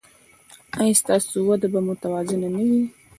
ایا ستاسو وده به متوازنه نه وي؟